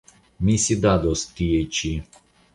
Mi sidados tie ĉi.